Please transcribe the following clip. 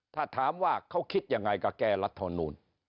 ถ้าถามว่าเขาคิดยังไงก็แก้รัฐมนูล